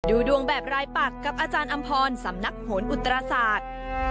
ดูดวงแบบรายปักกับอาจารย์อำพรสำนักโหนอุตราศาสตร์